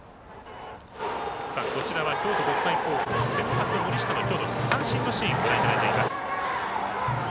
京都国際高校先発、森下のきょうの三振のシーンをご覧いただいてます。